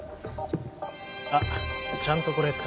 あっちゃんとこれ使って。